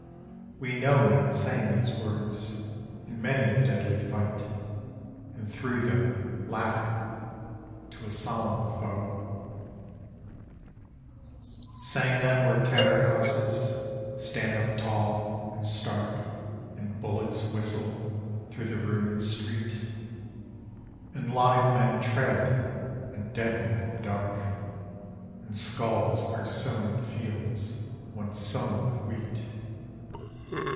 We know Men sang these words in many a deadly fight And threw them — laughing — to a solemn foe : Sang them where tattered houses stand up tall and stark And bullets whistle through the ruined street, And live men tread on dead men in the dark, And skulls are sown in fields once sown with wheat.